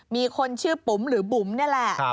มีคนชื่อปุ๋มหรือบุ๋มนี่แหละ